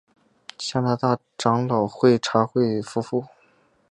加拿大长老会差会夫妇。